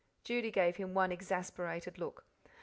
Judy gave him one exasperated look.